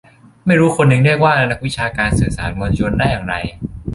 ไม่รู่คนยังเรียกว่า "นักวิชาการสื่อสารมวลชน" ได้อย่างไร